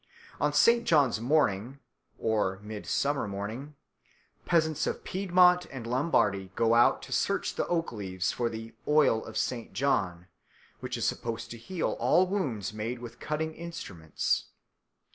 On St. John's morning (Midsummer morning) peasants of Piedmont and Lombardy go out to search the oak leaves for the "oil of St. John," which is supposed to heal all wounds made with cutting instruments.